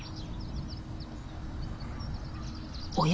おや？